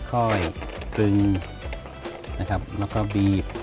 ค่อยตรึงนะครับแล้วก็บีบ